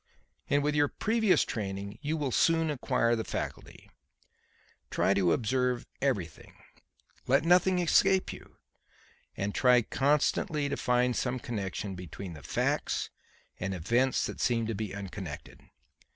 And, with your previous training, you will soon acquire the faculty. Try to observe everything. Let nothing escape you. And try constantly to find some connection between facts and events that seem to be unconnected.